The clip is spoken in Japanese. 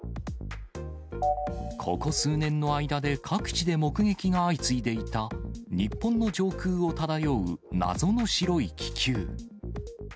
ここ数年の間で各地で目撃が相次いでいた、日本の上空を漂う謎の白い気球。